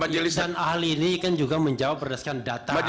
dan ahli ini kan juga menjawab berdasarkan data